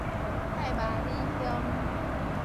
太麻里鄉